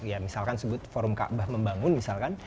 ya misalkan sebut forum kaabah membangun misalkan